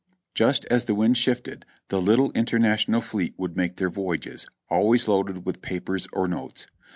Just as the wind shifted, the little international fleet would make their voyages — always loaded with papers or notes.